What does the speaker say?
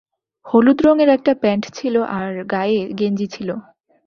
হলুদ রঙের একটা প্যান্ট ছিল আর গায়ে গেঞ্জি ছিল।